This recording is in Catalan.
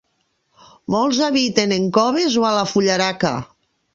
Molts habiten en coves o a la fullaraca.